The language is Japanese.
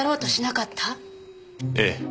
ええ。